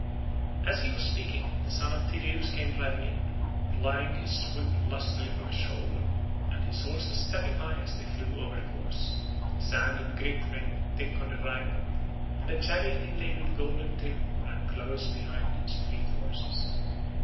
As he was speaking, the son of Tydeus came driving in, plying his whip lustily from his shoulder, and his horses stepping high as they flew over the course. The sand and grit rained thick on the driver, and the chariot inlaid with gold and tin ran close behind his fleet horses.